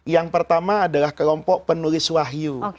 yang pertama adalah kelompok penulis wahyu